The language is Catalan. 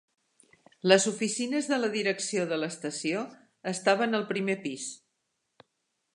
Les oficines de la direcció de l'estació estaven al primer pis.